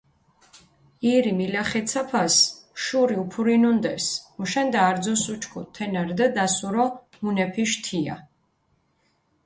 ირი მილახეცაფას შური უფურინუნდეს, მუშენდა არძოს უჩქუდჷ, თენა რდჷ დასურო მუნეფიშ თია.